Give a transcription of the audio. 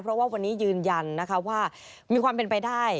เพราะว่าวันนี้ยืนยันนะคะว่ามีความเป็นไปได้